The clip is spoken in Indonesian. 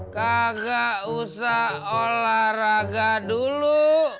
kagak usah olahraga dulu